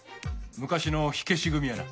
昔の火消し組やな。